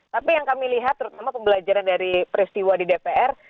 tapi yang kami lihat terutama pembelajaran dari peristiwa di dpr